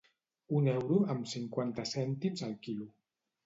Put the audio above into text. Un euro amb cinquanta cèntims el quilo.